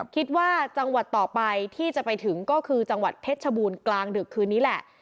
จังหวัดต่อไปที่จะไปถึงก็คือจังหวัดเพชรชบูรณ์กลางดึกคืนนี้แหละ